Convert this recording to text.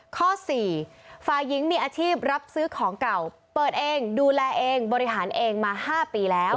ข้อสี่ฝ่ายหญิงมีอาชีพรับซื้อของเก่าเปิดเองดูแลเองบริหารเองมา๕ปีแล้ว